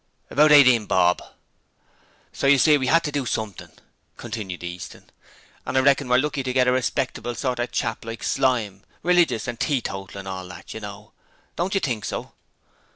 'About eighteen bob.' 'So you see we had to do something,' continued Easton; 'and I reckon we're lucky to get a respectable sort of chap like Slyme, religious and teetotal and all that, you know. Don't you think so?'